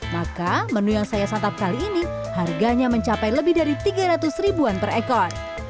maka menu yang saya santap kali ini harganya mencapai lebih dari tiga ratus ribuan per ekor